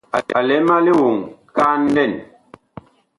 A lɛ ma lioŋ kan lɛn.